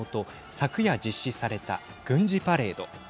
昨夜、実施された軍事パレード。